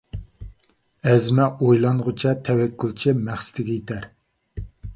ئەزمە ئويلانغۇچە تەۋەككۈلچى مەقسىتىگە يېتەر.